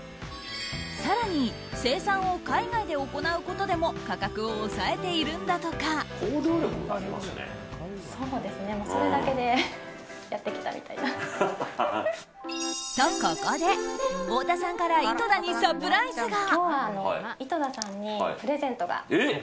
更に生産を海外で行うことでも価格を抑えているんだとか。と、ここで太田さんから井戸田にサプライズが。